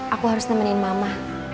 aku harus nemenin mama